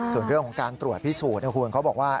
ส่วนเรื่องของการตรวจพิสูจน์นะคุณเขาบอกว่า